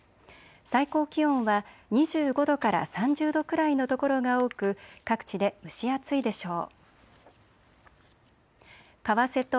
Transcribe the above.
最高気温は２５度から３０度くらいの所が多く各地で蒸し暑いでしょう。